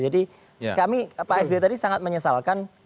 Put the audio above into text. jadi kami pak psbi tadi sangat menyesalkan